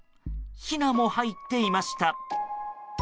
ひなも入っていました。